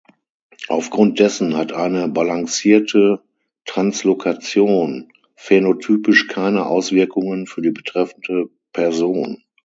Aufgrund dessen hat eine balancierte Translokation phänotypisch keine Auswirkungen für die betreffende Person.